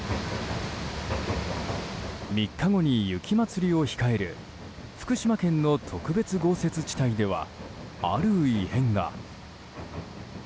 ３日後に雪まつりを控える福島県の特別豪雪地帯ではある異変が。